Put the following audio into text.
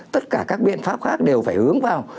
tất cả các biện pháp khác đều phải hướng vào